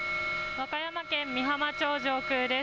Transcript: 和歌山県美浜町上空です。